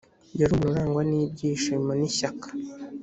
yari umuntu urangwa n ibyishimo n ishyaka